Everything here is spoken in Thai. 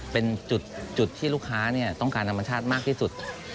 เป็นจุดที่ลูกค้าต้องการธรรมชาติมากที่สุด